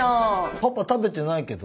パパ食べてないけど？